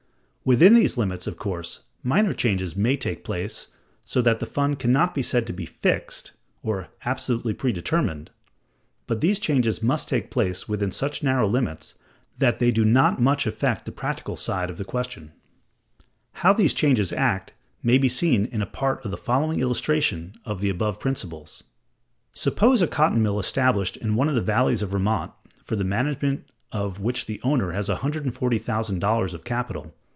Within these limits, of course, minor changes may take place, so that the fund can not be said to be "fixed" or "absolutely predetermined"; but these changes must take place within such narrow limits that they do not much affect the practical side of the question. How these changes act, may be seen in a part of the following illustration of the above principles: Suppose a cotton mill established in one of the valleys of Vermont, for the management of which the owner has $140,000 of capital.